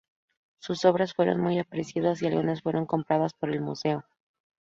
Sus obras fueron muy apreciadas, y algunas fueron compradas por el museo.